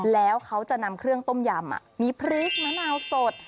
แล้วเขาจะนำเครื่องต้มยำมีพริกมะนาวสด